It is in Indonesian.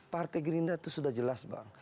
partai gerindra itu sudah jelas bang